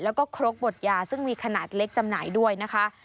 แล้วก็ครกบดยาซึ่งมีขนาดเล็กจำหน่ายด้วยนะคะ